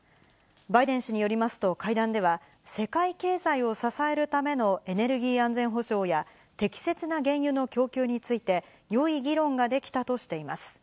バイデン氏によりますと、会談では、世界経済を支えるためのエネルギー安全保障や、適切な原油の供給について、よい議論ができたとしています。